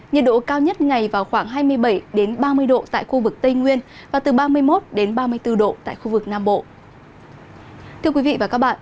nhiệt độ cao nhất ngày vào khoảng hai mươi bảy ba mươi độ tại khu vực tây nguyên và từ ba mươi một ba mươi bốn độ tại khu vực nam bộ